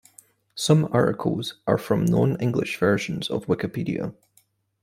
Some articles are from non-English versions of Wikipedia.